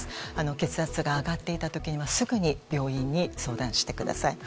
血圧が上がっていた時にはすぐに病院に相談してください。